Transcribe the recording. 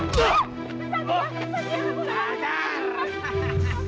gak usah pake uang